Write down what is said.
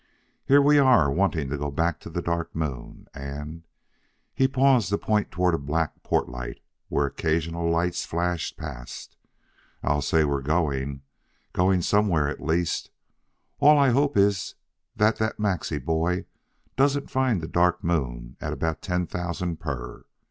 Here we were wanting to go back to the Dark Moon, and," he paused to point toward a black portlight where occasional lights flashed past "I'll say we're going; going somewhere at least. All I hope is that that Maxie boy doesn't find the Dark Moon at about ten thousand per.